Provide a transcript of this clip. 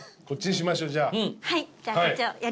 こっちにしましょうじゃあ。